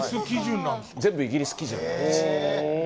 全部イギリス基準なんです。